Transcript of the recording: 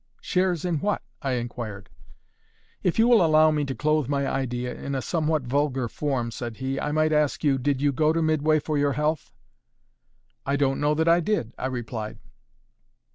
"Shares in what?" I inquired. "If you will allow me to clothe my idea in a somewhat vulgar form," said he, "I might ask you, did you go to Midway for your health?" "I don't know that I did," I replied.